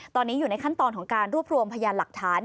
ตอนนี้อยู่ในขั้นตอนของการรวบรวมพยานหลักฐาน